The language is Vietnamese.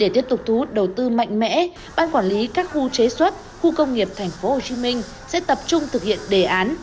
để tiếp tục thu hút đầu tư mạnh mẽ ban quản lý các khu chế xuất khu công nghiệp tp hcm sẽ tập trung thực hiện đề án